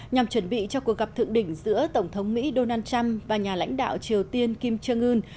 nhằm chuẩn bị cho cuộc gặp thượng đỉnh giữa tổng thống mỹ donald trump và nhà lãnh đạo triều tiên kim jong un